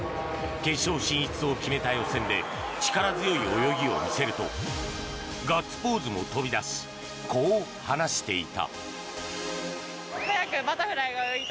決勝進出を決めた予選で力強い泳ぎを見せるとガッツポーズも飛び出しこう話していた。